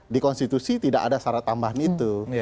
di konstitusi tidak ada syarat tambahan itu